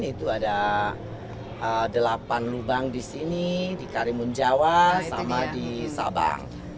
itu ada delapan lubang di sini di karimun jawa sama di sabang